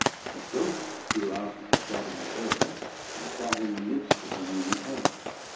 A ghost grew out of the shadowy air, And sat in the midst of her moony hair.